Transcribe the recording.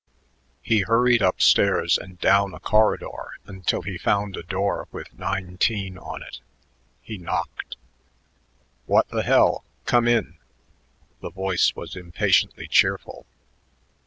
He hurried up stairs and down a corridor until he found a door with 19 on it. He knocked. "What th' hell! Come in." The voice was impatiently cheerful.